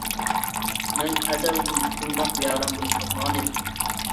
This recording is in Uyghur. مەن ئەزەلدىن بۇنداق بىئارام بولۇپ باقمىغانىدىم.